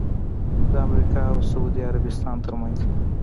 د امریکا اوسعودي عربستان ترمنځ